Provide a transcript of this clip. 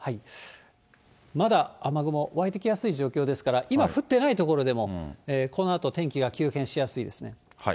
まだ雨雲湧いてきやすい状況ですから、今、降ってない所でもこのあと天気が急変しやすいですね。